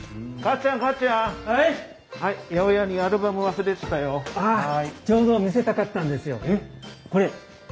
ちょうど見せたかったんですよ。